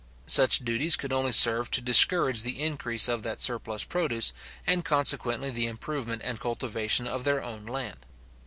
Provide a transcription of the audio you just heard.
Such duties could only serve to discourage the increase of that surplus produce, and consequently the improvement and cultivation of their own land.